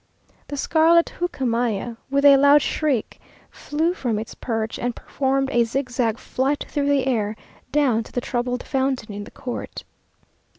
The scarlet hucamaya, with a loud shriek, flew from its perch, and performed a zig zag flight through the air, down to the troubled fountain in the court.